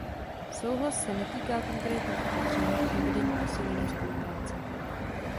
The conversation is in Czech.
Souhlas se netýká konkrétních opatření k provedení posílené spolupráce.